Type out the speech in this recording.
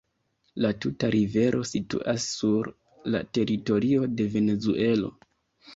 La tuta rivero situas sur la teritorio de Venezuelo.